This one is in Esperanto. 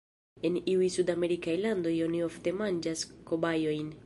En iuj sudamerikaj landoj oni ofte manĝas kobajojn.